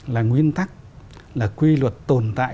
là nguyên tắc là quy luật tồn tại